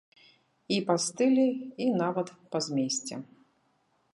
І па стылі і нават па змесце.